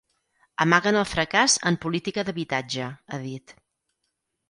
Amaguen el fracàs en política d’habitatge, ha dit.